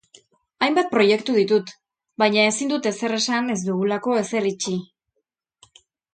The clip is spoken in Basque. Hainbat proiektu ditut, baina ezin dut ezer esan ez dugulako ezer itxi.